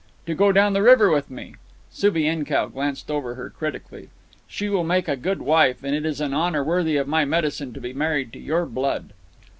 "To go down the river with me." Subienkow glanced over her critically. "She will make a good wife, and it is an honour worthy of my medicine to be married to your blood."